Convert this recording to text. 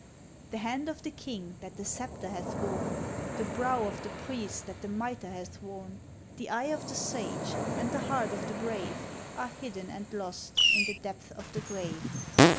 The hand of the king that the sceptre hath borne, The brow of the priest that the mitre hath worn, The eye of the sage, and the heart of the brave, Are hidden and lost in the depths of the grave.